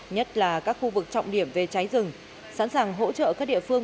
nhất là các khu vực trọng điểm về cháy rừng sẵn sàng hỗ trợ các địa phương